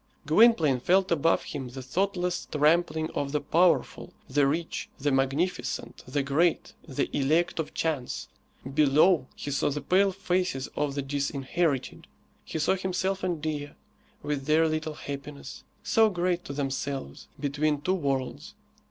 Gwynplaine felt above him the thoughtless trampling of the powerful, the rich, the magnificent, the great, the elect of chance. Below he saw the pale faces of the disinherited. He saw himself and Dea, with their little happiness, so great to themselves, between two worlds.